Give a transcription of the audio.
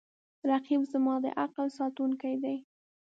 رقیب زما د عقل ساتونکی دی